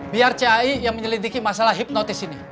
biar cai yang menyelidiki masalah hipnotis ini